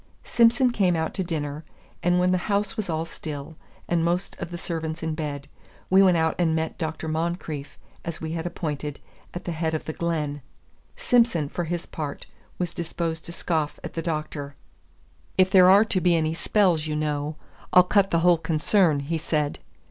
Simson came out to dinner, and when the house was all still, and most of the servants in bed, we went out and met Dr. Moncrieff, as we had appointed, at the head of the glen. Simson, for his part, was disposed to scoff at the Doctor. "If there are to be any spells, you know, I'll cut the whole concern," he said.